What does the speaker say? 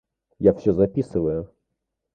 Я всё записываю.